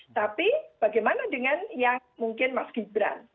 tapi bagaimana dengan yang mungkin mas gibran